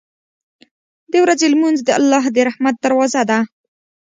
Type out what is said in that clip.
• د ورځې لمونځ د الله د رحمت دروازه ده.